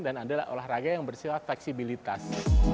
dan ada olahraga yang bersifat fleksibilitas